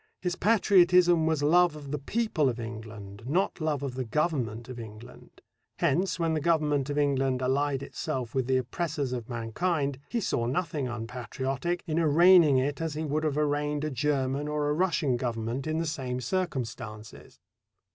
His patriotism was love of the people of England, not love of the Government of England. Hence, when the Government of England allied itself with the oppressors of mankind, he saw nothing unpatriotic in arraigning it as he would have arraigned a German or a Russian Government in the same circumstances.